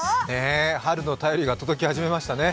春の便りが届き始めましたね。